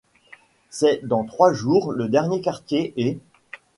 C’est dans trois jours le dernier quartier, et